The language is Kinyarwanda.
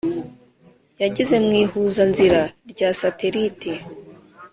yagize mu ihuzanzira rya satellite